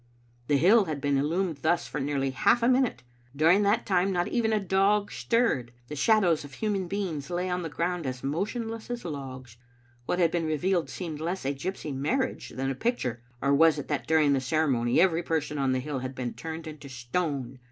The hill had been illumined thus for nearly half a minute. During that time not even a dog stirred. The shadows of human beings lay on the ground as motionless as logs. What had been revealed seemed less a gypsy marriage than a picture. Or was it that during the ceremony every person on the hill had been turned into stone?